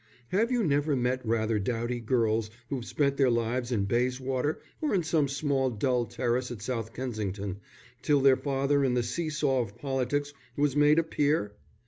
Have you never met rather dowdy girls who've spent their lives in Bayswater or in some small dull terrace at South Kensington, till their father in the see saw of politics was made a peer?